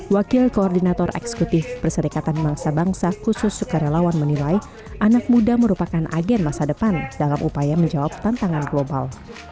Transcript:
wakil koordinator eksekutif perserikatan bangsa bangsa khusus sukarelawan menilai anak muda merupakan agen masa depan dalam upaya menjawab tantangan global